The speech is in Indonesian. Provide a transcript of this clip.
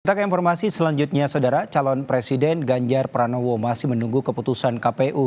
kita ke informasi selanjutnya saudara calon presiden ganjar pranowo masih menunggu keputusan kpu